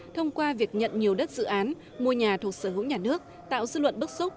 thông qua việc nhận nhiều đất dự án mua nhà thuộc sở hữu nhà nước tạo dư luận bức xúc